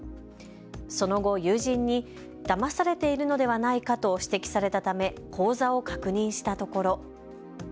その後、友人にだまされているのではないかと指摘されたため口座を確認したところ。